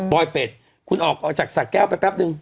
ลอยเป็ดคุณออกจากสะแก้วไปแป๊บนึง